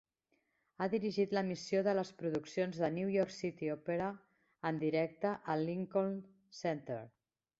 Ha dirigit l"emissió de les produccions de New York City Opera en directe al Lincoln Center.